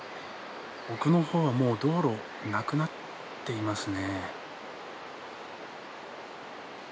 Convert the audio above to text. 奥のほうはもう道路、なくなっていますね。